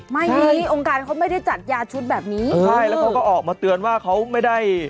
องค์การเขาไม่ได้จัดยาชุดแบบนี้ใช่แล้วเขาก็ออกมาเตือนว่าเขาไม่ได้